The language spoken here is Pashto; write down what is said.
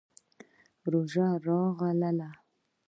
روژه راغله.